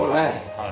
はい。